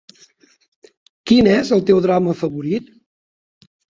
Quin és el teu drama favorit?